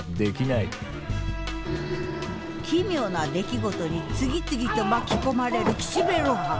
奇妙な出来事に次々と巻き込まれる岸辺露伴。